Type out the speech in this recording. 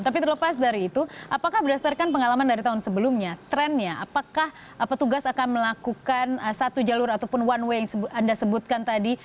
tapi terlepas dari itu apakah berdasarkan pengalaman dari tahun sebelumnya trennya apakah petugas akan melakukan satu jalur ataupun one way yang anda sebutkan tadi